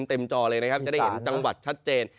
จะเพิ่มเต็มจอเลยนะครับจะได้เห็นจังหวัดชัดเจน